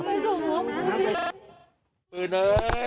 ปืนว่ะ